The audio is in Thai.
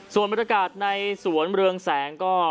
ส่วนบริษัทในสวนเรืองแสงก็